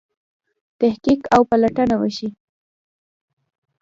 تحقیق او پلټنه وشي.